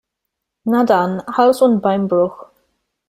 Na dann, Hals- und Beinbruch!